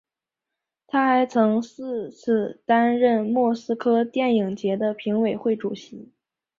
他还曾四次担任莫斯科电影节的评委会主席。